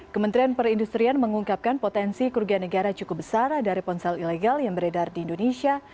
kementerian perindustrian mengungkapkan potensi kerugian negara cukup besar dari ponsel ilegal yang beredar di indonesia